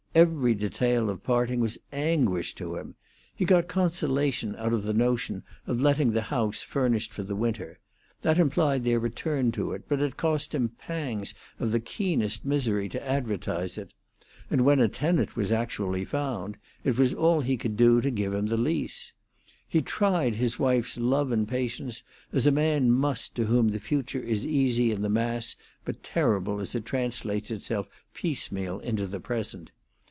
Every detail of parting was anguish to him. He got consolation out of the notion of letting the house furnished for the winter; that implied their return to it, but it cost him pangs of the keenest misery to advertise it; and, when a tenant was actually found, it was all he could do to give him the lease. He tried his wife's love and patience as a man must to whom the future is easy in the mass but terrible as it translates itself piecemeal into the present.